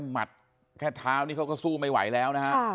หมัดแค่เท้านี่เขาก็สู้ไม่ไหวแล้วนะฮะ